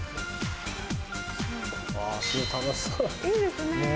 いいですね。